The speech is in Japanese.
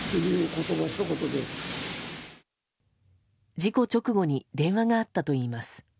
事故直後に電話があったといいます。